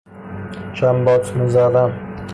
چمباتمه زدن